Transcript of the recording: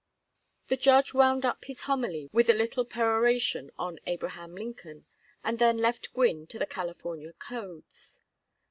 The judge wound up his homily with a little peroration on Abraham Lincoln and then left Gwynne to the California codes.